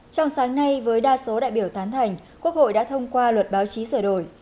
trong sáng nay với đa số đại biểu tán thành quốc hội đã thông qua luật báo chí sửa đổi